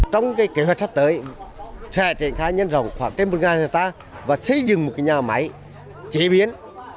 trong kế hoạch sắp tới sẽ triển khai nhân rồng khoảng trên một ngàn người ta và xây dựng một nhà máy chế biến